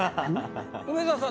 梅沢さん